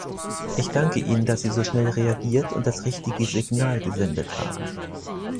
Ich danke Ihnen, dass Sie so schnell reagiert und das richtige Signal gesendet haben.